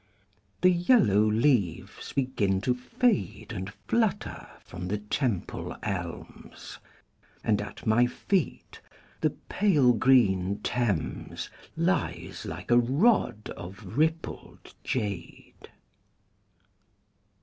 The yellow leaves begin to fade And flutter from the Temple elms, And at my feet the pale green Thames Lies like a rod of rippled jade.